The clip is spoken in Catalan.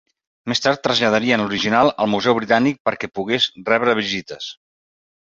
Més tard traslladarien l'original al Museu Britànic perquè pogués rebre visites.